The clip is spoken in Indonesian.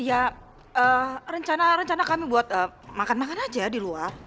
ya rencana rencana kami buat makan makan aja di luar